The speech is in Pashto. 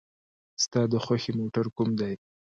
ستا د خوښې موټر کوم دی؟